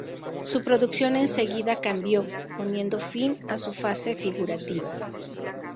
Su producción en seguida cambió, poniendo fin a su fase figurativa.